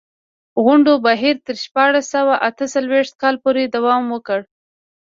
غونډو بهیر تر شپاړس سوه اته څلوېښت کال پورې دوام وکړ.